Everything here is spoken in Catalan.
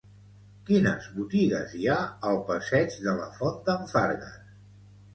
Quines botigues hi ha al passeig de la Font d'en Fargues?